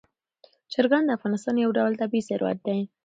چرګان د افغانستان یو ډول طبعي ثروت دی.